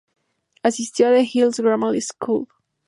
Asistió a The Hills Grammar School.